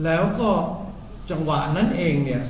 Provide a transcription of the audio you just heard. แล้วก็จังหวะนั้นเองเนี่ย